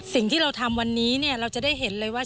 สิ่งที่เราทำวันนี้เนี่ยเราจะได้เห็นเลยว่า